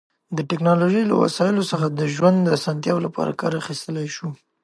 د ټیکنالوژی له وسایلو څخه د ژوند د اسانتیا لپاره کار اخیستلی شو